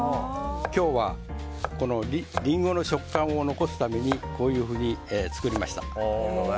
今日はリンゴの食感を残すためにこういうふうに作りました。